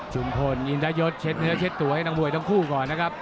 พลอินทยศเช็ดเนื้อเช็ดตัวให้น้องมวยทั้งคู่ก่อนนะครับ